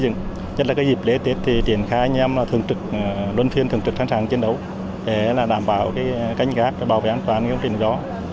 nhất là cái dịp lễ tết thì triển khai anh em là thường trực luân phiên thường trực sẵn sàng chiến đấu để là đảm bảo cái cánh gác bảo vệ an toàn công trình điện gió